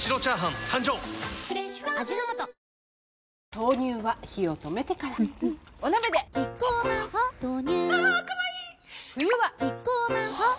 豆乳は火を止めてからうんうんお鍋でキッコーマン「ホッ」豆乳あかわいい冬はキッコーマン「ホッ」